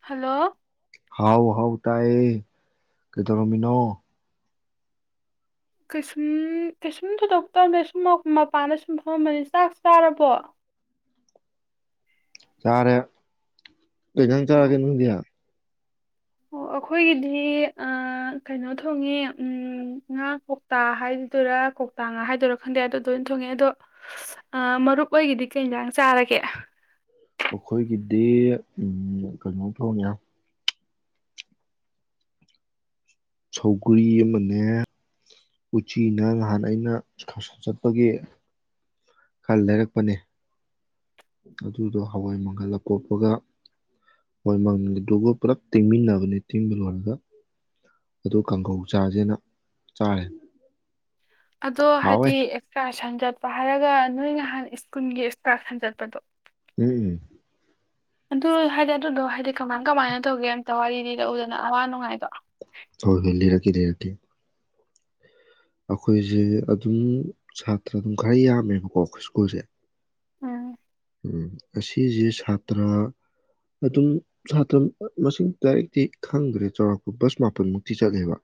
hello ꯍꯥꯎ ꯍꯥꯎ ꯇꯥꯏꯌꯦ ꯀꯩꯗꯧꯔꯝꯃꯤꯅꯣ ꯀꯩꯁꯨꯝ ꯀꯩꯁꯨꯝ ꯊꯣꯏꯗꯣꯛꯄ ꯇꯧꯗꯦ ꯁꯨꯝ ꯃꯄꯥꯟꯗ ꯁꯨꯝ ꯐꯝꯂꯝꯕꯅꯤ ꯆꯥꯛ ꯆꯥꯔꯕꯣ ꯆꯥꯔꯦ ꯀꯩ ꯏꯟꯖꯥꯡ ꯆꯥꯔꯒꯦ ꯅꯪꯗꯤ ꯑꯣ ꯑꯩꯈꯣꯏꯒꯤꯗꯤ ꯑ ꯀꯩꯅꯣ ꯊꯣꯡꯉꯦ ꯉꯥ ꯀꯧꯇꯥ ꯍꯥꯏꯗꯣꯔꯥ ꯀꯧꯇꯥ ꯉꯥ ꯍꯥꯏꯗꯣꯏꯔꯥ ꯈꯪꯗꯦ ꯑꯗꯨꯗꯨ ꯑꯣꯢꯅ ꯊꯣꯡꯉꯦ ꯑꯗꯣ ꯃꯔꯨꯞ ꯑꯣꯏꯒꯤꯗꯤ ꯀꯩꯥ ꯏꯟꯖꯥꯡ ꯆꯥꯔꯒꯦ ꯑꯩꯈꯣꯏꯒꯤꯗꯤ ꯎꯝ ꯀꯩꯅꯣ ꯊꯣꯡꯑꯦ ꯁꯧꯒꯔꯤ ꯑꯃꯅꯦ ꯎꯆꯤꯅ ꯅꯍꯥꯟ ꯑꯩꯅ ꯑꯦꯁꯀꯥꯁꯟ ꯆꯠꯄꯒꯤ ꯈꯔ ꯂꯩꯔꯛꯄꯅꯦ ꯑꯗꯨꯗꯣ ꯍꯋꯥꯏ ꯃꯪꯒꯜ ꯑꯄꯣꯞꯄꯒ ꯍꯋꯥꯏ ꯃꯪꯒꯜꯗꯨꯒ ꯄꯨꯂꯞ ꯇꯤꯡꯃꯤꯟꯅꯕꯅꯤ ꯇꯤꯡꯕ ꯂꯣꯏꯔꯒ ꯑꯗꯨ ꯀꯥꯡꯈꯧ ꯆꯥꯁꯦꯅ ꯆꯥꯔꯦ ꯑꯗꯣ ꯍꯥꯎꯋꯦ ꯍꯥꯏꯗꯤ ꯑꯦꯛꯁꯀ꯭ꯔꯁꯟ ꯆꯠ ꯍꯥꯏꯔꯒ ꯅꯣꯏ ꯅꯍꯥꯟ ꯁ꯭ꯀꯨꯜꯒꯤ ꯑꯦꯛꯁꯀꯥ ꯁꯟ ꯆꯠꯄꯗꯣ ꯎꯝ ꯑꯗꯨ ꯍꯥꯏꯗ ꯑꯗꯨꯗꯣ ꯍꯥꯏꯗꯤ ꯀꯃꯥꯏ ꯀꯃꯥꯏꯅ ꯇꯧꯒꯦ [unintelligible] ꯋꯥꯔꯤ ꯂꯤꯔꯛ ꯎꯗꯅ ꯑꯋꯥ ꯅꯨꯡꯉꯥꯏꯗꯣ ꯍꯣꯏ ꯍꯣꯏ ꯂꯩꯔꯀꯦ ꯂꯩꯔꯀꯦ ꯑꯩꯈꯣꯏꯁꯦ ꯑꯗꯨꯝ ꯁꯥꯇ꯭ꯔ ꯑꯗꯨꯝ ꯈꯔ ꯌꯥꯝꯃꯦꯕꯀꯣ ꯑꯩꯈꯣꯏ ꯁ꯭ꯀꯨꯜꯁꯦ ꯎꯝ ꯎꯝ ꯑꯁꯤꯁꯦ ꯁꯥꯇ꯭ꯔ ꯑꯗꯨꯝ ꯁꯥꯇ꯭ꯔ ꯃꯁꯤꯡ ꯗꯥꯏꯔꯦꯛꯇꯤ ꯈꯪꯗ꯭ꯔꯦ ꯆꯥꯎꯔꯥꯛꯄ ꯕꯁ ꯃꯥꯄꯟꯃꯨꯛꯇꯤ ꯆꯠꯂꯦꯕ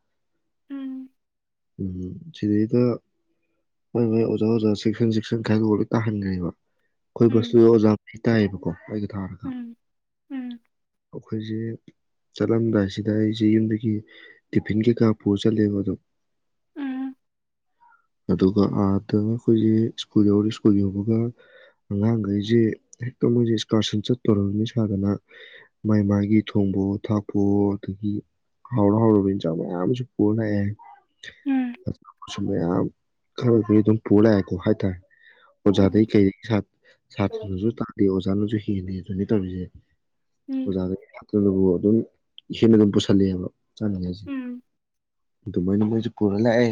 ꯎꯝ ꯎꯝ ꯁꯤꯗꯩꯗ ꯍꯣꯏ ꯍꯣꯏ ꯑꯣꯖꯥ ꯑꯣꯖꯥ ꯁꯦꯛꯁꯟ ꯁꯦꯛꯁꯟ ꯈꯥꯏꯗꯣꯛꯑ ꯂꯣꯏ ꯇꯥꯍꯟꯈ꯭ꯔꯦꯕ ꯑꯈꯣꯢ ꯎꯝ ꯕꯁꯇꯨ ꯑꯣꯖꯥ ꯇꯥꯏꯌꯦꯕꯀꯣ ꯑꯩꯗ ꯊꯥꯔꯒ ꯎꯝ ꯎꯝ ꯑꯩꯈꯣꯏꯁꯦ ꯆꯠꯂꯝꯗꯥꯏꯁꯤꯗ ꯑꯩꯁꯦ ꯌꯨꯝꯗꯒꯤ ꯇꯤꯐꯤꯟ ꯀꯩꯀꯥ ꯄꯨꯔ ꯆꯠꯂꯦꯕ ꯑꯗꯣ ꯎꯝ ꯑꯗꯨꯒ ꯑꯥꯗ ꯑꯩꯈꯣꯏꯁꯦ ꯁ꯭ꯀꯨꯜ ꯌꯧꯔꯤ ꯁ꯭ꯀꯨꯜ ꯌꯧꯕꯒ ꯑꯉꯥꯡꯈꯩꯁꯦ ꯍꯦꯛꯇ ꯃꯣꯏꯁꯦ ꯏꯁꯀꯥꯔꯁꯟ ꯆꯠꯇꯣꯔꯝꯃꯦ ꯁꯥꯗꯅ ꯃꯥꯏ ꯃꯥꯒꯤ ꯊꯣꯡꯕꯑꯣ ꯊꯥꯛꯄꯑꯣ ꯑꯗꯒꯤ ꯍꯥꯎꯔ ꯍꯥꯎꯔꯕ ꯏꯟꯖꯥꯡ ꯃꯌꯥꯝ ꯑꯃꯁꯨ ꯄꯨꯔ ꯂꯥꯛꯑꯦ ꯎꯝ ꯃꯌꯥꯝ ꯈꯔ ꯗꯨ ꯑꯗꯨꯝ ꯄꯨꯔ ꯂꯥꯛꯑꯦꯀꯣ ꯍꯥꯏ ꯇꯥꯔꯦ ꯑꯣꯖꯥꯗꯩ ꯎꯝ ꯀꯩꯩ ꯎꯝ ꯁꯥꯇ꯭ꯔꯅꯁꯨ ꯇꯥꯗꯦ ꯑꯣꯖꯥꯅꯁꯨ ꯍꯦꯟ ꯍꯦꯟꯗꯦ ꯑꯗꯨꯅꯤ ꯇꯧꯔꯤꯁꯦ ꯎꯝ ꯑꯣꯖꯥꯒ [unintelligible] ꯑꯗꯨꯝ ꯏꯅ ꯑꯗꯨꯝ ꯄꯁꯜꯂꯛꯑꯦꯕ ꯆꯥꯅꯤꯉꯥꯏꯖꯤ ꯎꯝ ꯑꯗꯨꯃꯥꯏꯅ ꯃꯣꯏꯖꯨ ꯄꯨꯔꯂꯥꯛ ꯑꯦ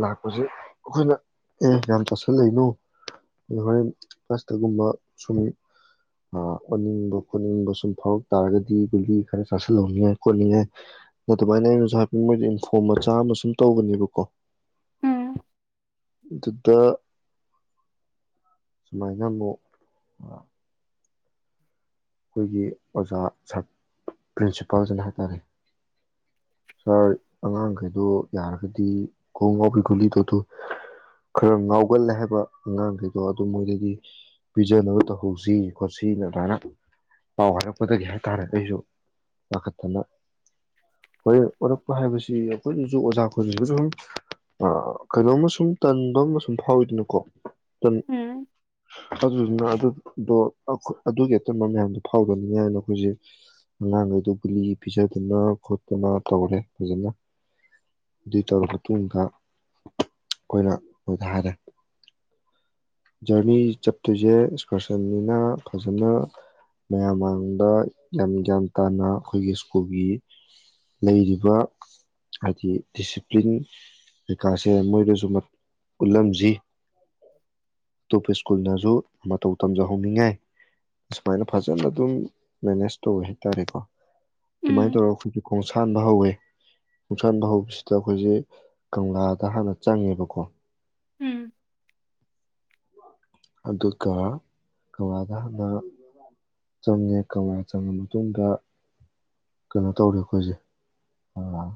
ꯂꯛꯄꯁꯦ ꯑꯈꯣꯏꯅ ꯑꯦ ꯌꯥꯝ ꯆꯥꯁꯟꯂꯩꯅꯨ ꯍꯣꯔꯦꯟ ꯕꯁꯇꯥ ꯒꯨꯝꯕ ꯁꯨꯝ ꯑꯥ ꯑꯣꯅꯤꯡꯕ ꯈꯣꯠꯅꯤꯡꯕ ꯁꯨꯃ ꯐꯥꯎ ꯇꯥꯔꯒꯗꯤ ꯒꯨꯂꯤ ꯈꯔꯥ ꯆꯥꯁꯟꯂꯣꯅꯦ ꯈꯣꯠꯂꯤꯅꯦ ꯑꯗꯨꯃꯥꯏꯅꯥ ꯑꯩꯅꯁꯨ ꯍꯥꯢꯐꯦꯠ ꯏꯅꯐꯣꯝ ꯃꯆꯥ ꯑꯃꯥ ꯁꯨꯝ ꯇꯧꯕꯅꯦꯕꯀꯣ ꯎꯝ ꯑꯗꯨꯗ ꯁꯨꯃꯥꯏꯅ ꯑꯃꯨꯛ ꯑ ꯑꯩꯈꯣꯏꯒꯤ ꯑꯣꯖꯥ ꯁꯥꯔ ꯄ꯭ꯔꯤꯟꯁꯤꯄꯥꯜꯁꯤꯅ ꯍꯥꯏ ꯇꯔꯦ ꯁꯥꯔ ꯑꯉꯥꯡꯈꯩꯗꯣ ꯌꯥꯔꯒꯗꯤ ꯀꯣꯛ ꯉꯥꯎꯕꯩ ꯒꯨꯂꯤꯗꯣ ꯑꯗꯨ ꯈꯔ ꯉꯥꯎꯒꯜꯂꯦ ꯍꯥꯏꯕ ꯑꯉꯥꯡꯈꯩꯗꯣ ꯑꯗꯨ ꯃꯣꯏꯗꯒꯤ ꯄꯤꯖꯅꯕ ꯇꯧꯍꯧꯁꯤ ꯈꯣꯠꯁꯤ ꯑꯗꯥꯏꯅ ꯄꯥꯎ ꯍꯥꯏꯔꯛꯄꯗꯒꯤ ꯍꯥꯏꯇꯥꯔꯦ ꯑꯩꯁꯨ ꯄꯥꯈꯠꯇꯅ ꯍꯣꯔꯦꯟ ꯑꯣꯔꯛꯄ ꯍꯥꯏꯕꯁꯤ ꯑꯩꯈꯣꯏꯁꯨ ꯑꯣꯖꯥ ꯈꯣꯏꯗꯁꯨ ꯑꯗꯨꯝ ꯀꯩꯅꯣꯝꯃ ꯁꯨꯝ ꯇꯟꯕ ꯑꯃ ꯁꯨꯝ ꯐꯥꯎꯋꯤꯗꯅꯀꯣ [unintelligible] ꯎꯝ ꯅ ꯑꯗꯨꯗꯣ ꯑꯈꯣ ꯑꯗꯨꯒꯤ ꯑꯇꯟꯕ ꯃꯌꯥꯝꯗꯣ ꯐꯥꯎꯗꯅꯕꯅꯦ ꯍꯥꯏꯅ ꯑꯩꯈꯣꯏꯁꯦ ꯑꯉꯥꯡꯈꯩꯗꯣ ꯒꯨꯂꯤ ꯄꯤꯖꯗꯅ ꯈꯣꯠꯇꯅ ꯇꯧꯔꯦ ꯐꯖꯅ ꯑꯗꯨꯏ ꯇꯧꯔ ꯃꯇꯨꯡꯗ ꯑꯩꯈꯣꯏꯅ ꯃꯣꯏꯗ ꯍꯥꯏꯔꯦ ꯖꯔꯅꯤ ꯆꯠꯇꯣꯏꯁꯦ ꯑꯁꯀꯔꯁꯟꯅꯤꯅ ꯐꯖꯅ ꯃꯌꯥꯝ ꯃꯥꯡꯗ ꯌꯥꯝ ꯒ꯭ꯌꯥꯟ ꯇꯥꯅ ꯑꯩꯈꯣꯏꯒꯤ ꯁ꯭ꯀꯨꯜꯒꯤ ꯂꯩꯔꯤꯕ ꯍꯥꯏꯗꯤ ꯗꯤꯁꯤꯄ꯭ꯂꯤꯟ ꯀꯩꯀꯥꯁꯦ ꯃꯣꯏꯗꯁꯨ ꯎꯠꯂꯝꯁꯤ ꯑꯇꯣꯞꯄ ꯁ꯭ꯀꯨꯜꯅꯁꯨ ꯃꯇꯧ ꯇꯝꯖꯍꯧꯅꯤꯡꯉꯥꯏ ꯑꯁꯨꯃꯥꯏꯅ ꯐꯖꯅ ꯑꯗꯨꯝ ꯃꯦꯅꯦꯖ ꯇꯧꯋꯦ ꯍꯥꯏꯇꯥꯔꯦꯀꯣ ꯑꯗꯨꯃꯥꯏꯅ ꯎꯝ ꯇꯧꯔꯒ ꯑꯩꯈꯣꯏꯖꯤ ꯈꯣꯡꯁꯥꯟꯕ ꯍꯧꯋꯦ ꯈꯣꯡꯁꯥꯟꯕ ꯍꯧꯕꯁꯤꯗ ꯑꯩꯈꯣꯏꯖꯤ ꯀꯪꯂꯥꯗ ꯍꯥꯟꯅ ꯆꯪꯉꯦꯕꯀꯣ ꯎꯝ ꯑꯗꯨꯒ ꯀꯪꯂꯥꯗ ꯍꯥꯟꯅ ꯆꯪꯉꯦ ꯀꯪꯂꯥ ꯆꯪꯉ ꯃꯇꯨꯡꯗ ꯀꯩꯅꯣ ꯇꯧꯔꯦ ꯑꯩꯈꯣꯏꯁꯦ ꯑꯥ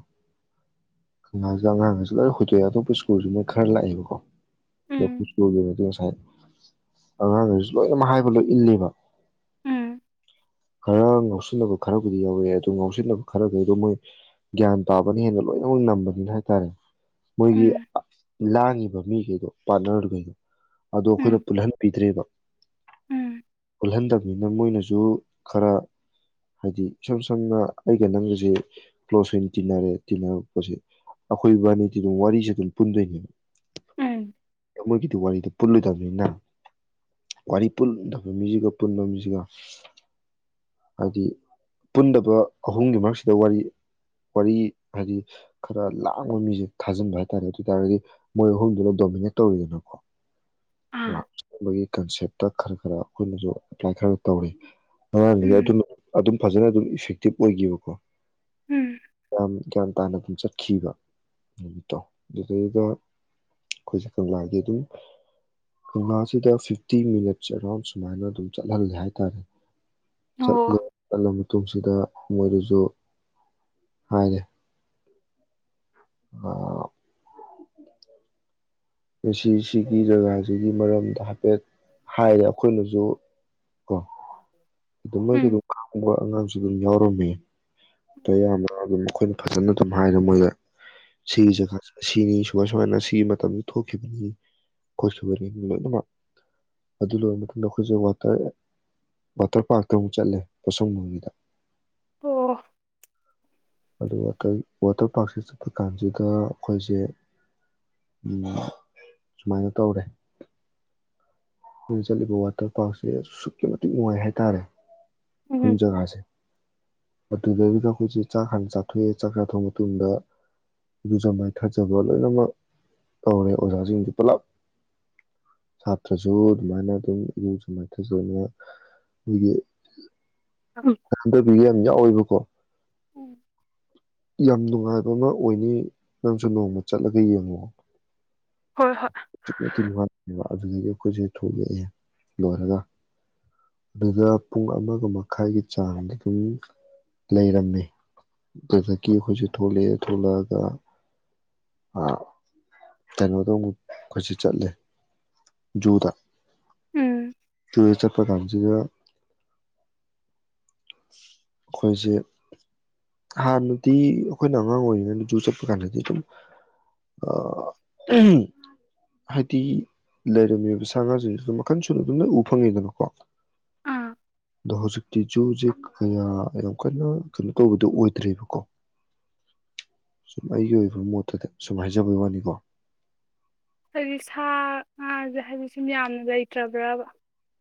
ꯀꯪꯂꯥꯁꯤꯗ ꯑꯉꯥꯡꯒꯩꯁꯦ ꯂꯣꯏ ꯍꯣꯏꯗꯣꯛꯑꯦ ꯑꯇꯣꯞꯄ ꯁ꯭ꯀꯨꯜꯁꯨ ꯃꯣꯏ ꯈꯔ ꯂꯥꯛꯑꯦꯕꯀꯣ ꯑꯗꯣ ꯑꯈꯣꯢ ꯎꯝ ꯏꯁꯀ꯭ꯨꯜ ꯒꯤꯅꯗꯤ ꯉꯁꯥꯏ ꯑꯉꯥꯡꯒꯩꯁꯨ ꯂꯣꯏꯅꯃꯛ ꯍꯥꯏꯕ ꯂꯣꯏ ꯏꯜꯂꯦꯕ ꯎꯝ ꯈꯔ ꯉꯥꯎꯁꯤꯟꯅꯕ ꯈꯔꯕꯨꯗꯤ ꯌꯥꯎꯋꯦ ꯑꯗꯨ ꯉꯥꯎꯁꯤꯟꯅꯕ ꯈꯔꯈꯩꯗꯣ ꯃꯣꯏ ꯒ꯭ꯌꯥꯟ ꯇꯥꯕꯅ ꯍꯦꯟꯅ ꯂꯣꯏꯅꯃꯛ ꯅꯝꯕꯅꯤꯅ ꯍꯥꯏ ꯇꯔꯦ ꯃꯣꯏꯒꯤ ꯎꯝ ꯂꯥꯡꯉꯤꯕ ꯃꯤꯈꯩꯗꯣ ꯄꯥꯠꯅꯔꯈꯩꯗꯣ ꯑꯗꯣ ꯑꯩꯈꯣꯏꯅ ꯎꯝ ꯄꯨꯜꯍꯟꯕꯤꯗ꯭ꯔꯦꯕ ꯄꯨꯜꯍꯟꯗꯕꯅꯤꯅ ꯃꯣꯏꯅꯁꯨ ꯈꯔ ꯍꯥꯏꯗꯤ ꯏꯁꯝ ꯁꯝꯅ ꯑꯩꯒ ꯅꯪꯒꯁꯦ ꯀ꯭ꯂꯣꯖ ꯑꯣꯏꯅ ꯇꯤꯟꯅꯔꯦ ꯇꯤꯟꯅꯔꯛꯄꯁꯦ ꯑꯩꯈꯣꯏꯕꯥꯅꯤꯗꯤ ꯑꯗꯨꯝ ꯋꯥꯔꯤꯁꯦ ꯑꯗꯨꯝ ꯄꯨꯟꯗꯣꯏꯅꯤ ꯎꯝ ꯃꯣꯏꯒꯤꯗꯣ ꯋꯥꯔꯤꯗꯣ ꯄꯨꯜꯂꯣꯏꯗꯕꯅꯤꯅ ꯋꯥꯔꯤ ꯄꯨꯗꯕ ꯃꯤꯁꯤꯒ ꯄꯨꯟꯕ ꯃꯤꯁꯤꯒ ꯍꯥꯏꯗꯤ ꯄꯨꯟꯗꯕ ꯑꯍꯨꯝꯒꯤ ꯃꯔꯛꯁꯤꯗ ꯋꯥꯔꯤ ꯋꯥꯔꯤ ꯍꯥꯏꯗꯤ ꯈꯔ ꯂꯥꯡꯕ ꯃꯤꯁꯦ ꯊꯥꯖꯤꯟꯕ ꯍꯥꯏ ꯇꯥꯔꯦ ꯑꯗꯨꯏ ꯇꯥꯔꯗꯤ ꯃꯣꯏ ꯑꯍꯨꯝꯗꯨꯅ ꯗꯣꯃꯤꯅꯦꯠ ꯇꯧꯋꯤꯗꯅꯀꯣ ꯑꯥ ꯑꯥꯃꯣꯏꯒꯤ ꯀꯟꯁꯦꯞꯇ ꯈꯔ ꯈꯔ ꯑꯩꯈꯣꯏꯅꯁꯨ ꯑꯦꯄ꯭ꯂꯥꯏ ꯈꯔ ꯇꯧꯔꯦ ꯑꯉꯥꯡꯗꯒꯤ ꯎꯝ ꯑꯗꯨꯅ ꯑꯗꯨꯝ ꯐꯖꯅ ꯑꯗꯨꯝ ꯏꯐꯦꯛꯇꯤꯞ ꯑꯣꯏꯒꯤꯌꯦꯕꯀꯣ ꯎꯝ ꯑꯝ ꯒꯌ꯭ꯥꯟ ꯇꯥꯅ ꯑꯗꯨꯝ ꯆꯠꯈꯤꯕ ꯅꯨꯃꯤꯠꯇꯣ ꯑꯗꯨꯗꯩꯗ ꯑꯩꯈꯣꯏꯁꯦ ꯀꯪꯂꯥꯒꯤ ꯑꯗꯨꯝ ꯀꯪꯂꯥꯁꯤꯗ ꯐꯤꯐꯇꯤ ꯃꯤꯅꯠꯁꯦ ꯑꯦꯔꯥꯎꯟ ꯁꯨꯃꯥꯏꯅ ꯑꯗꯨꯝ ꯆꯠꯍꯜꯂꯦ ꯍꯥꯏꯇꯥꯔꯦ ꯆꯠꯂꯦ ꯑꯣ ꯆꯠꯂꯕ ꯃꯇꯨꯡꯁꯤꯗ ꯃꯣꯏꯗꯨꯁꯨ ꯍꯥꯏꯔꯦ ꯑꯥ ꯉꯁꯤ ꯁꯤꯒꯤ ꯖꯒꯥꯁꯤꯒꯤ ꯃꯔꯝꯗ ꯍꯥꯏꯐꯦꯠ ꯍꯥꯏꯔꯦ ꯑꯩꯈꯣꯏꯅꯁꯨ ꯀꯣ ꯑꯗꯨꯝ ꯃꯣꯏꯒꯤ ꯎꯝ ꯑꯗꯨꯝ ꯈꯪꯕ ꯑꯉꯥꯡꯁꯨ ꯑꯗꯨꯝ ꯌꯥꯎꯔꯝꯃꯦ ꯑꯌꯥꯝꯕ ꯑꯗꯨꯝ ꯑꯩꯈꯣꯏꯅ ꯐꯖꯅ ꯑꯗꯨꯝ ꯍꯥꯏꯔꯣ ꯃꯣꯏꯗ ꯁꯤꯒꯤ ꯖꯒ ꯁꯤꯅꯤ ꯁꯨꯃꯥꯏ ꯁꯨꯃꯥꯏꯅ ꯁꯤ ꯃꯇꯝ ꯊꯣꯛꯈꯤꯕꯅꯤ ꯈꯣꯠꯈꯤꯕꯅꯤ ꯂꯣꯏꯅꯃꯛ ꯑꯗꯨ ꯂꯣꯏꯔ ꯃꯇꯨꯡꯗ ꯑꯩꯈꯣꯏꯁꯦ ꯋꯥꯇꯔ ꯋꯥꯇꯔ ꯄꯥꯛꯇ ꯑꯃꯨꯛ ꯆꯠꯂꯦ ꯄꯣꯁꯪꯕꯝꯒꯤꯗ ꯑꯣ ꯑꯗꯨ ꯋꯥꯀꯜ ꯋꯥꯇꯔ ꯄꯥꯔꯛꯁꯦ ꯆꯠꯄ ꯀꯥꯟꯁꯤꯗ ꯑꯩꯈꯣꯏꯁꯦ ꯎꯝ ꯁꯨꯃꯥꯏꯅ ꯇꯧꯔꯦ ꯑꯩꯈꯣꯏꯅ ꯆꯠꯂꯤꯕ ꯋꯥꯇꯔ ꯄꯥꯔꯛꯁꯦ ꯑꯁꯨꯛꯀꯤ ꯃꯇꯤꯛ ꯅꯨꯡꯉꯥꯏ ꯍꯥꯏꯇꯥꯔꯦ ꯐꯝ ꯎꯝ ꯖꯥꯒꯁꯦ ꯑꯗꯨꯗꯩꯗꯨꯗ ꯑꯩꯈꯣꯏꯁꯦ ꯆꯥꯛ ꯍꯥꯟꯅ ꯆꯥꯊꯣꯛꯑꯦ ꯆꯥꯛ ꯆꯥꯊꯣꯛꯑ ꯃꯇꯨꯡꯗ ꯏꯔꯨꯖ ꯃꯥꯏꯊꯖꯕ ꯂꯣꯏꯅꯃꯛ ꯇꯧꯔꯦ ꯑꯣꯖꯥꯁꯤꯡꯁꯨ ꯄꯨꯂꯞ ꯁꯥꯇ꯭ꯔ ꯁꯨ ꯑꯗꯨ ꯃꯥꯏꯅ ꯑꯗꯨꯝ ꯏꯔꯨꯖ ꯃꯥꯏꯊꯖꯕ ꯈꯣꯏꯒꯤ ꯅꯥꯟꯗꯕꯤꯒ ꯌꯥꯝ ꯌꯥꯎꯋꯦꯕꯀꯣ ꯎꯝ ꯌꯥꯝ ꯅꯨꯡꯉꯥꯏꯕ ꯑꯃ ꯑꯣꯏꯅꯤ ꯅꯪꯁꯨ ꯅꯣꯡꯃ ꯆꯠꯂꯒ ꯌꯦꯡꯉꯣꯑꯣ ꯍꯣꯏ ꯍꯣꯏ [unintelligible] ꯑꯗꯨꯗꯒꯤ ꯑꯩꯈꯣꯏꯁꯦ ꯊꯣꯛꯂꯛꯑꯦ ꯂꯣꯏꯔꯒ ꯑꯗꯨꯗ ꯄꯨꯡ ꯑꯃꯒ ꯃꯈꯥꯏꯒꯤ ꯆꯥꯡꯗꯒꯤ ꯂꯩꯔꯝꯃꯦ ꯑꯗꯨꯗꯒꯤ ꯑꯩꯈꯣꯏꯁꯨꯦ ꯊꯣꯛꯂꯛꯑꯦ ꯊꯣꯛꯂꯛꯑꯒ ꯑ ꯀꯩꯅꯣꯗ ꯃꯨꯛ ꯈꯣꯏꯁꯨ ꯆꯠꯂꯦ ꯓꯨꯗ ꯎꯝ ꯓꯨ ꯆꯠꯄ ꯄꯀꯥꯟꯖꯤꯗ ꯑꯩꯈꯣꯏꯁꯦ ꯍꯥꯟꯅꯗꯤ ꯑꯩꯈꯣꯏꯅ ꯑꯉꯥꯡ ꯑꯣꯏꯔꯤꯉꯩꯗ ꯓꯨ ꯆꯠꯄ ꯀꯥꯟꯗꯗꯤ ꯑꯗꯨꯝ ꯑꯥ ꯍꯥꯏꯗꯤ ꯂꯩꯔꯝꯃꯤꯕ ꯁꯥ ꯉꯥꯁꯤꯡꯁꯤꯁꯨ ꯃꯈꯟ ꯁꯨꯅ ꯑꯗꯨꯝ ꯎꯐꯪꯉꯤꯗꯅꯀꯣ ꯑꯥ ꯑꯗꯣ ꯍꯧꯖꯤꯛꯇꯤ ꯓꯨꯁꯦ ꯌꯥꯝ ꯀꯟꯅ ꯀꯩꯅꯣ ꯇꯧꯕꯗꯨꯣ ꯑꯣꯏꯗ꯭ꯔꯦꯕꯀꯣ ꯁꯨꯝ ꯑꯩꯒꯤ ꯑꯣꯏꯕ ꯃꯣꯠꯇꯗꯤ ꯁꯨꯝ ꯍꯥꯏꯖꯕꯩ ꯋꯥꯅꯤꯀꯣ ꯍꯥꯏꯗꯤ ꯁꯥ ꯉꯥꯁꯦ ꯍꯥꯏꯗꯤ ꯁꯨꯝ ꯌꯥꯝꯅ ꯂꯩꯇ꯭ꯔꯕ꯭ꯔꯕ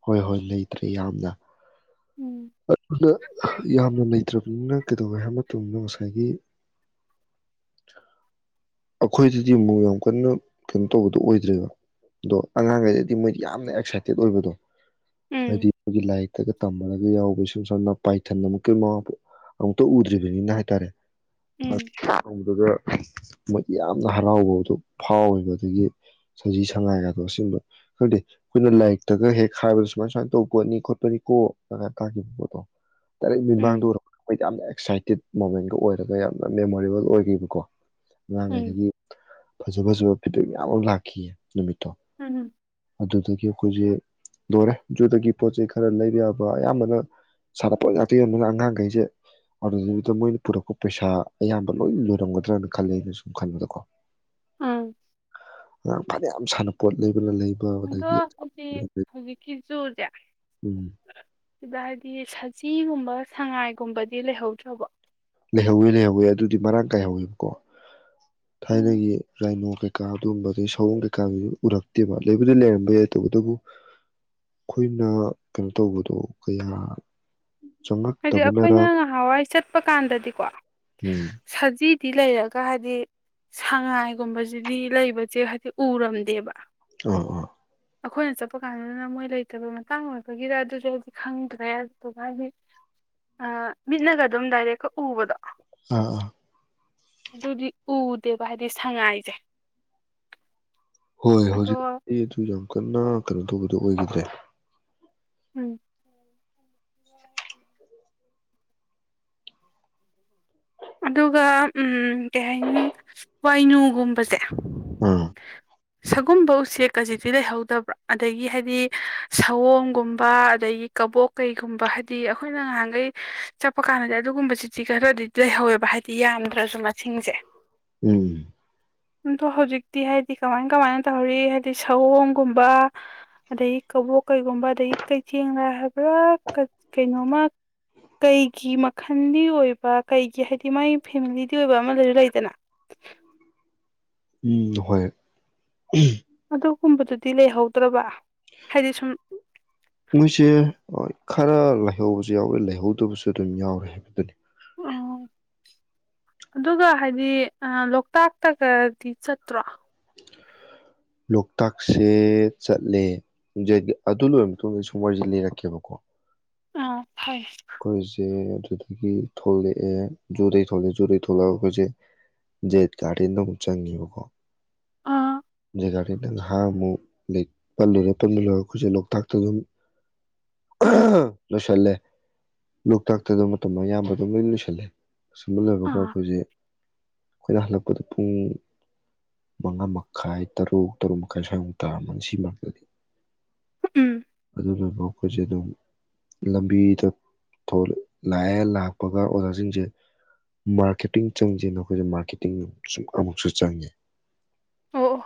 ꯍꯣꯏ ꯍꯣꯏ ꯂꯩꯇ꯭ꯔꯦ ꯌꯥꯝꯅ ꯎꯝ ꯑꯗꯨꯅ ꯌꯥꯝꯅ ꯂꯩꯇ꯭ꯔꯕꯅꯤꯅ ꯀꯩꯗꯧꯒꯦ ꯍꯥꯏꯕ ꯃꯇꯝꯗ ꯉꯁꯥꯏꯒꯤ ꯑꯩꯈꯣꯏꯗꯗꯤ ꯑꯃꯨꯛ ꯌꯥꯝ ꯀꯟꯅ ꯀꯩꯅꯣ ꯇꯧꯕꯗꯣ ꯑꯣꯏꯗ꯭ꯔꯦꯕ ꯑꯗꯣ ꯑꯉꯥꯡꯈꯩꯗꯗꯤ ꯃꯣꯏꯗꯤ ꯌꯥꯝꯅ ꯑꯦꯛꯁꯥꯏꯇꯦꯠ ꯑꯣꯏꯕꯗꯣ ꯎꯝ ꯍꯥꯏꯗꯤ ꯂꯥꯏꯛ ꯇꯒ ꯇꯝꯃꯒ ꯌꯥꯎꯕ ꯁꯨꯝ ꯏꯁꯝꯁꯝꯅ ꯄꯥꯏꯊꯟ ꯑꯃꯨꯛꯀꯤ ꯃꯃꯥꯄꯣꯛ ꯑꯝꯇ ꯎꯗ꯭ꯔꯤꯕꯅꯤꯅ ꯍꯥꯏꯇꯥꯔꯦ ꯎꯝ [unintelligible] ꯃꯣꯏꯗꯤ ꯌꯥꯝꯅ ꯍꯔꯥꯎꯕꯗꯣ ꯐꯥꯎꯋꯦꯕ ꯑꯗꯒꯤ ꯁꯖꯤ ꯁꯉꯥꯏꯒꯗꯣ ꯑꯁꯤꯒꯨꯝꯕ ꯈꯪꯗꯦ ꯑꯩꯈꯣꯏꯅ ꯂꯥꯏꯔꯤꯛꯇꯒ ꯍꯦꯛ ꯍꯥꯏꯕꯗ ꯁꯨꯃꯥꯏ ꯁꯨꯃꯥꯏꯅ ꯇꯧꯕ ꯄꯣꯠꯅꯤ ꯈꯣꯠꯄꯅꯤ ꯀꯥꯏꯅ ꯇꯥꯈꯤꯕ ꯄꯣꯠꯇꯣ ꯗꯥꯏꯔꯦꯛ ꯃꯤꯠꯃꯥꯡꯗ ꯎꯝ ꯎꯔꯛꯄꯗ ꯃꯣꯏꯗ ꯌꯥꯝꯅ ꯑꯦꯛꯁꯥꯏꯇꯦꯠ ꯃꯣꯃꯦꯟꯒ ꯑꯣꯏꯔꯒ ꯌꯥꯝꯅ ꯃꯦꯃꯣꯔꯦꯕꯜ ꯑꯣꯏꯒꯤꯕꯀꯣ ꯎꯝ ꯉꯥꯡꯉꯩꯗꯒꯤ ꯐꯖ ꯐꯖꯕ ꯐꯤꯗꯕꯦꯛ ꯃꯌꯥꯝ ꯑꯃ ꯂꯥꯛꯈꯤꯑꯦ ꯅꯨꯃꯤꯠꯇꯣ ꯎꯝ ꯑꯗꯨꯗꯒꯤ ꯑꯩꯈꯣꯏꯁꯦ ꯂꯣꯏꯔꯦ ꯖꯨꯗꯒꯤ ꯄꯣꯠ ꯆꯩ ꯈꯔ ꯂꯩꯕ ꯌꯥꯕ ꯑꯌꯥꯝꯕꯅ ꯁꯥꯟꯅꯄꯣꯠ ꯉꯥꯛꯇ ꯌꯣꯟꯕꯅꯤꯅ ꯑꯉꯥꯡꯒꯩꯁꯦ ꯑꯗꯨꯗꯨꯗ ꯃꯣꯏꯅ ꯄꯨꯔꯛꯄ ꯄꯩꯁꯥ ꯑꯌꯥꯝꯕ ꯂꯣꯏ ꯂꯣꯏꯔꯝꯒꯗ꯭ꯔꯅ ꯈꯜꯂꯦ ꯑꯩꯅꯁꯨ ꯁꯨꯝ ꯈꯟꯕꯗꯀꯣ ꯎꯝ ꯐꯅꯌꯥꯝ ꯁꯅꯄꯣꯠ ꯂꯩꯕꯅ ꯂꯩꯕ ꯑꯗꯣ ꯑꯗꯒꯤ ꯍꯧꯖꯤꯛ ꯍꯧꯖꯤꯛꯀꯤ ꯖꯨꯁꯦ ꯎꯝ ꯁꯤꯗ ꯍꯥꯏꯗꯤ ꯁꯖꯤꯒꯨꯝ ꯕ ꯁꯉꯥꯏꯒꯨꯝꯕꯗꯤ ꯂꯩꯍꯧꯗ꯭ꯔꯕꯣ ꯂꯩꯍꯧꯋꯤ ꯂꯩꯍꯧꯋꯤ ꯑꯗꯨꯗꯤ ꯃꯔꯥꯡ ꯀꯥꯏꯍꯧꯋꯦꯕꯀꯣ ꯊꯥꯏꯅ ꯎꯝ ꯒꯤ ꯔꯥꯏꯅꯣꯡ ꯀꯩ ꯀꯩꯀꯥ ꯑꯗꯨꯝꯕ ꯑꯗꯒꯤ ꯁꯑꯣꯝ ꯀꯩꯀꯥꯒꯤ ꯎꯔꯛꯇꯦꯕ ꯂꯩꯕꯗꯤ ꯂꯩꯔꯝꯕ ꯌꯥꯏ ꯇꯧꯕꯇꯕꯨ ꯑꯩꯈꯣꯏꯅ ꯀꯩꯅꯣ ꯇꯧꯕꯗꯣ ꯀꯌꯥ ꯍꯥꯏꯗꯤ ꯆꯪꯉꯛꯇꯕꯅꯔ ꯑꯩꯈꯣꯏꯅ ꯉꯍꯥꯟꯋꯥꯏ ꯆꯠꯄ ꯀꯥꯟ ꯀꯥꯟꯗꯗꯤꯀꯣ ꯎꯝ ꯁꯖꯤꯛ ꯗꯤ ꯂꯩꯔꯒ ꯍꯥꯏꯗꯤ ꯁꯉꯥꯏꯒꯨꯝꯕꯁꯤꯗꯤ ꯂꯩꯕꯁꯦ ꯍꯥꯏꯗꯤ ꯎꯔꯝꯗꯦꯕ ꯑꯣ ꯑꯣ ꯑꯩꯈꯣꯏꯅ ꯆꯠꯄ ꯀꯥꯟꯗꯨꯗꯅ ꯃꯣꯏ ꯂꯩꯇꯕꯩ ꯃꯇꯥꯡ ꯑꯣꯏꯕꯒꯤꯔ ꯑꯗꯨꯁꯨ ꯍꯥꯏꯗꯤ ꯈꯪꯗ꯭ꯔꯦ ꯑꯗꯨꯗꯨꯒ ꯍꯥꯏꯗꯤ ꯑ ꯃꯤꯠꯅꯒ ꯑꯗꯨꯝ ꯗꯥꯏꯔꯦꯛꯀ ꯎꯕꯗꯣ ꯑꯥ ꯑ ꯑꯗꯨꯗꯤ ꯎꯗꯦꯕ ꯍꯥꯏꯗꯤ ꯁꯉꯥꯏꯁꯦ ꯍꯣꯏ ꯑꯗꯣ ꯍꯧꯖꯤꯛ ꯑꯗꯨ ꯀꯟꯅ ꯀꯩꯅꯣ ꯇꯧꯕꯗꯨ ꯑꯣꯏꯈꯤꯗ꯭ꯔꯦ ꯎꯝ ꯑꯗꯨꯒ ꯀꯩ ꯍꯥꯏꯅꯤ ꯋꯥꯏꯅꯨꯒꯨꯝꯕꯁꯦ ꯑꯥ ꯁꯒꯨꯝꯕ ꯎꯆꯦꯛꯀꯖꯤꯛꯇꯤ ꯂꯩꯍꯧꯗꯕ꯭ꯔꯥ ꯑꯗꯒꯤ ꯍꯥꯏꯗꯤ ꯁꯑꯣꯡꯒꯨꯝꯕ ꯑꯗꯒꯤ ꯀꯕꯣꯛ ꯀꯩꯒꯨꯝꯕ ꯍꯥꯏꯗꯤ ꯑꯩꯈꯣꯏꯅ ꯉꯍꯥꯟꯈꯩ ꯆꯠꯄ ꯀꯥꯟꯗꯗꯤ ꯑꯗꯨꯒꯨꯝꯕ ꯆꯤꯇꯤ ꯈꯔꯗꯤ ꯂꯩꯍꯧꯋꯦꯕ ꯍꯥꯏꯗꯤ ꯌꯥꯝꯗ꯭ꯔꯁꯨ ꯃꯁꯤꯡꯁꯦ ꯎꯝ ꯑꯗꯣ ꯍꯧꯖꯤꯛꯇꯤ ꯍꯥꯏꯕꯗꯤ ꯀꯃꯥꯏ ꯀꯃꯥꯏꯅ ꯇꯧꯔꯤ ꯍꯥꯏꯕꯗꯤ ꯁꯑꯣꯡꯒꯨꯝꯕ ꯑꯗꯒꯤ ꯀꯥꯕꯣ ꯀꯩꯒꯨꯝꯕ ꯑꯗꯒꯤ ꯀꯩꯊꯦꯡꯗ ꯍꯥꯏꯕ꯭ꯔꯥ ꯀꯩꯅꯣꯃ ꯀꯩꯒꯤ ꯃꯈꯜꯒꯤ ꯑꯣꯏꯕ ꯀꯩꯒꯤ ꯍꯥꯏꯗꯤ ꯃꯥꯥꯏ ꯐꯦꯃꯤꯂꯤꯗꯤ ꯑꯣꯏꯕ ꯑꯃ ꯂꯩꯔ ꯂꯩꯗꯅ ꯎꯝ ꯍꯣꯏ ꯑꯗꯨꯒꯨꯝꯕꯗꯨꯗꯤ ꯂꯩꯍꯧꯗ꯭ꯔꯕ ꯍꯥꯏꯇꯗꯤ ꯁꯨꯝ ꯃꯣꯏꯁꯦ ꯈꯔ ꯂꯩꯥꯏꯍꯧꯕꯁꯨ ꯌꯥꯎꯋꯦ ꯂꯩꯍꯧꯗꯕꯁꯨ ꯑꯗꯨꯝ ꯌꯥꯎꯔꯦ ꯍꯥꯏꯕꯗꯨꯅꯤ ꯑꯣ ꯑꯗꯨꯒ ꯍꯥꯏꯗꯤ ꯂꯣꯛꯇꯥꯛꯇꯒꯗꯤ ꯆꯠꯇ꯭ꯔꯣ ꯂꯣꯛꯇꯥꯛꯁꯦ ꯆꯠꯂꯦ ꯑꯗꯨ ꯂꯣꯏꯔ ꯃꯇꯨꯡꯗ ꯁꯨꯝ ꯋꯥꯔꯤꯁꯦ ꯂꯩꯔꯛꯀꯦꯕꯀꯣ ꯑꯥ ꯐꯩ ꯀꯣꯏꯔꯨꯁꯦ ꯑꯗꯨꯗꯒꯤ ꯊꯣꯛꯂꯛ ꯑꯦ ꯖꯨꯗꯩ ꯊꯣꯂꯦ ꯖꯨꯗꯩ ꯊꯣꯂꯛꯒ ꯑꯩꯈꯣꯏꯁꯦ ꯓꯦꯠ ꯒꯥꯔꯗꯦꯟꯗ ꯑꯃꯨꯛ ꯆꯪꯉꯦꯕꯀꯣ ꯑꯥ ꯖꯒꯥꯗꯤ ꯅꯪ ꯍꯥ ꯑꯃꯨꯛ ꯂꯩ ꯄꯜꯂꯨꯔꯦ ꯄꯜꯂꯨꯔꯒ ꯑꯩꯈꯣꯏꯁꯦ ꯂꯣꯛꯇꯥꯛꯇ ꯑꯗꯨꯝ ꯎꯝ [inaudible] ꯂꯣꯁꯜꯂꯦ ꯂꯣꯛꯇꯥꯛꯇ ꯑꯗꯨ ꯃꯇꯝ ꯑꯌꯥꯝꯕ ꯑꯗꯨꯝ ꯂꯣꯏ ꯂꯣꯏꯁꯜꯂꯦ ꯑꯁꯨꯝꯕ ꯂꯩꯕꯒ ꯑꯥ ꯑꯩꯈꯣꯏꯁꯦ ꯑꯩꯈꯣꯏꯅ ꯍꯜꯂꯛꯄꯗ ꯄꯨꯡ ꯃꯉꯥ ꯃꯈꯥꯏ ꯇꯔꯨꯛ ꯇꯔꯨꯛ ꯃꯈꯥꯏ ꯁ꯭ꯋꯥꯏꯃꯨꯛ ꯇꯥꯃ ꯁꯤ ꯃꯔꯛꯇꯗꯤ ꯎꯝ ꯑꯗꯨꯗꯨꯕ ꯑꯩꯈꯣꯏꯁꯦ ꯑꯗꯨꯝ ꯂꯝꯕꯤꯗ ꯂꯥꯛꯑꯦ ꯂꯥꯛꯄꯒ ꯑꯣꯖꯥꯁꯤꯡꯁꯦ ꯃꯥꯔꯀꯦꯇꯤꯡ ꯆꯪꯁꯦꯅ ꯑꯩꯈꯣꯏꯁꯦ ꯃꯥꯔꯀꯦꯇꯤꯡ ꯁꯨꯝ ꯑꯃꯨꯛꯁꯨ ꯆꯪꯉꯦ ꯑꯣ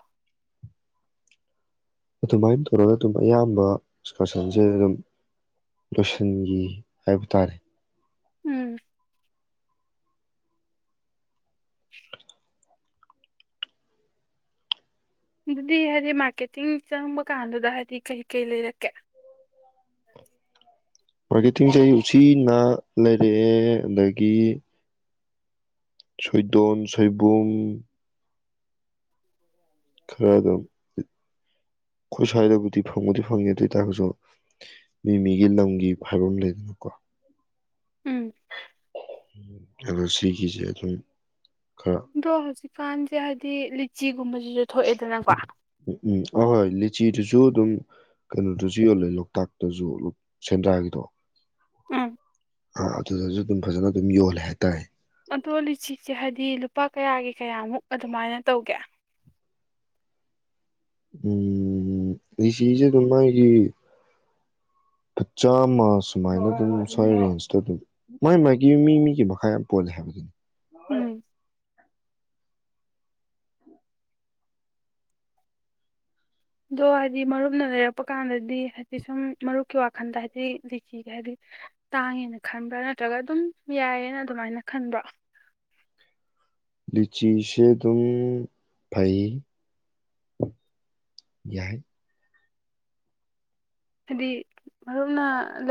ꯑꯗꯨꯃꯥꯏꯅ ꯇꯧꯔꯒ ꯑꯗꯨꯝ ꯑꯌꯥꯝꯕ ꯑꯦꯛꯀꯔꯁꯟꯁꯦ ꯑꯗꯨꯝ ꯂꯣꯏꯁꯤꯟꯒꯤ ꯍꯥꯏꯕ ꯇꯥꯔꯦ ꯎꯝ [inaudible] ꯑꯗꯨꯗꯤ ꯍꯥꯏꯗꯤ ꯃꯥꯔꯀꯦꯇꯤꯡ ꯆꯪꯕ ꯀꯥꯟꯗꯨꯗ ꯍꯥꯏꯗꯤ ꯀꯩ ꯀꯩ ꯂꯩꯔꯛꯀꯦ ꯃꯥꯔꯀꯦꯇꯤꯡꯁꯦ ꯑꯩ ꯎꯆꯤꯅꯥ ꯂꯩꯔꯛꯑꯦ ꯑꯗꯒꯤ ꯁꯣꯏꯗꯣꯟ ꯁꯣꯏꯕꯨꯡ ꯈꯔ ꯑꯗꯨꯝ ꯑꯩꯈꯣꯏ ꯁ꯭ꯋꯥꯏꯗꯕꯨꯗꯤ ꯐꯪꯕꯨꯗꯤ ꯐꯪꯉꯦ ꯑꯗꯨ ꯑꯣꯏ ꯇꯥꯔꯒꯁꯨ ꯃꯤ ꯃꯤꯒꯤ ꯂꯝꯒꯤ ꯍꯥꯏꯕ ꯑꯃ ꯂꯩꯗꯅꯀꯣ ꯎꯝ ꯑꯗꯣ ꯁꯤꯒꯤꯁꯦ ꯑꯗꯨꯝ ꯈꯔ ꯗꯣ ꯍꯧꯖꯤꯛ ꯐꯥꯟꯁꯦ ꯍꯥꯏꯗꯤ ꯂꯤꯆꯤ [inaudible] ꯎꯝ ꯑꯍꯣꯏ ꯂꯤꯆꯤ ꯗꯨꯁꯨ ꯁꯨ ꯑꯗꯨꯝ ꯀꯩꯅꯣꯗꯁꯨ ꯌꯣꯜꯂꯦ ꯂꯣꯛꯇꯥꯛꯇꯁꯨ ꯁꯦꯟꯗ꯭ꯔꯥꯒꯤꯗꯣ ꯎꯝ ꯑꯥ ꯑꯗꯨꯗꯁꯨ ꯑꯗꯨꯝ ꯐꯖꯅ ꯑꯗꯨꯝ ꯌꯣꯜꯂꯦ ꯍꯥꯏꯇꯔꯦ ꯁꯤ ꯍꯥꯏꯗꯤ ꯂꯨꯄꯥ ꯀꯌꯥꯒꯤ ꯀꯌꯥꯃꯨꯛ ꯑꯗꯨꯃꯥꯏꯅ ꯇꯧꯒꯦ ꯎꯝ ꯂꯤꯆꯤꯁꯦ ꯑꯗꯨꯝ ꯃꯥꯒꯤ ꯐ ꯆꯥꯝꯃ ꯁꯨꯃꯥꯏꯅ ꯑꯗꯨꯝ ꯁ꯭ꯋꯥꯏ ꯔꯦꯟꯖꯇ ꯑꯗꯨꯝ ꯃꯣꯏ ꯃꯥꯏꯒꯤ ꯃꯤ ꯃꯤꯒꯤ ꯃꯈꯥ ꯌꯥꯝ ꯄꯣꯜꯂꯦ ꯍꯥꯏꯕꯗꯨꯅꯤ ꯎꯝ ꯗꯣ ꯍꯥꯏꯗꯤ ꯃꯔꯨꯞꯅ ꯂꯩꯔꯛꯄ ꯀꯥꯟꯗꯗꯤ ꯍꯥꯏꯗꯤ ꯁꯨꯝ ꯃꯔꯨꯞꯀꯤ ꯋꯥꯈꯜꯗ ꯍꯥꯏꯗꯤ ꯂꯤꯆꯤꯒ ꯍꯥꯏꯗꯤ ꯇꯥꯡꯉꯦꯅ ꯈꯟꯕ꯭ꯔꯥ ꯅꯠꯇ꯭ꯔꯒ ꯑꯗꯨꯝ ꯌꯥꯏꯌꯦꯅ ꯑꯗꯨꯃꯥꯏꯅ ꯈꯟꯕ꯭ꯔꯣ ꯂꯤꯆꯤꯁꯦ ꯑꯗꯨꯝ ꯐꯩ ꯌꯥꯏ ꯍꯥꯏꯗꯤ ꯃꯔꯨꯞꯅ ꯂꯩ